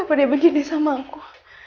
kenapa dia begini dengan aku